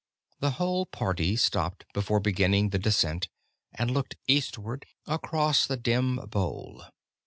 The whole party stopped before beginning the descent and looked eastward, across the dim bowl.